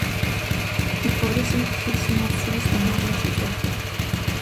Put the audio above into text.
ბიჰორის მთის მასივის უმაღლესი წერტილი.